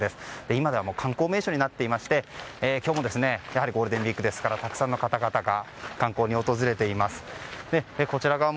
今ではもう観光名所になっていまして今日ゴールデンウィークですからたくさんの方々が観光に訪れています。